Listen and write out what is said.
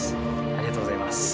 ありがとうございます。